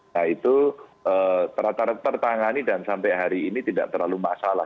nah itu tertangani dan sampai hari ini tidak terlalu masalah